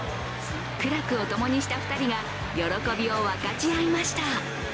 苦楽をともにした２人が喜びを分かち合いました。